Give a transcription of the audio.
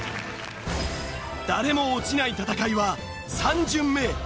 誰も落ちない戦いは３巡目へ。